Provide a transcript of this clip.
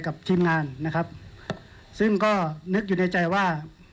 กับทีมงานซึ่งก็นึกอยู่ในใจว่า